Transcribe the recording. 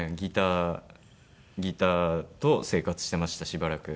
ギターと生活してましたしばらく。